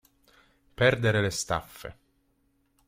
Perdere le staffe.